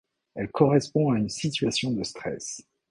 Elle correspond à une situation de stress.